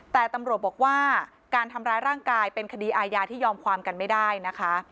แต่ตำรวจบอกว่าการทำร้ายร่างกายเป็นคดีอาญาที่ยอมความกันไม่ได้นะคะ